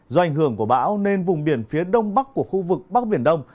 do ảnh hưởng của bão nên vùng biển phía đông bắc của khu vực bắc biển đông